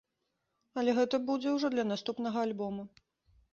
Але гэта будзе ўжо для наступнага альбома.